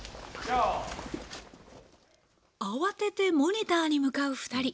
慌ててモニターに向かう２人。